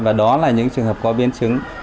và đó là những trường hợp có biến chứng